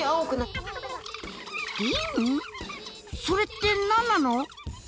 それって何なの？